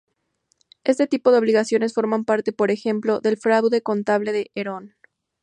Este tipo de obligaciones formaron parte, por ejemplo, del fraude contable de Enron.